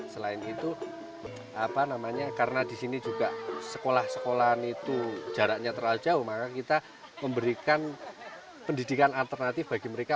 selain itu karena di sini juga sekolah sekolahan itu jaraknya terlalu jauh maka kita memberikan pendidikan alternatif bagi mereka